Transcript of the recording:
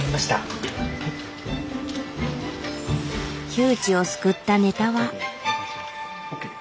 窮地を救ったネタは。